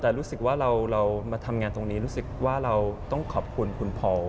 แต่รู้สึกว่าเรามาทำงานตรงนี้รู้สึกว่าเราต้องขอบคุณคุณพอ